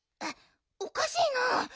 おかしいな。